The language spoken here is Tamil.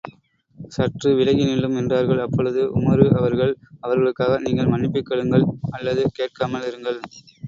சற்று விலகி நில்லும். என்றார்கள், அப்பொழுது, உமறு அவர்கள், அவர்களுக்காக நீங்கள் மன்னிப்புக் கேளுங்கள் அல்லது கேட்காமல் இருங்கள்.